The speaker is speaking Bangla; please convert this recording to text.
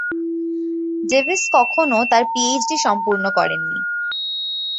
ডেভিস কখনও তাঁর পিএইচডি সম্পূর্ণ করেন নি।